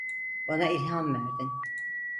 Bana ilham verdin.